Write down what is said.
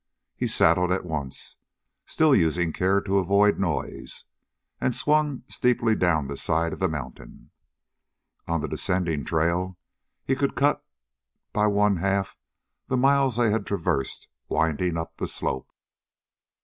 He saddled at once, still using care to avoid noise, and swung steeply down the side of the mountain. On the descending trail, he could cut by one half the miles they had traversed winding up the slope.